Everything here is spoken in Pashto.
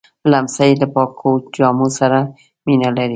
لمسی له پاکو جامو سره مینه لري.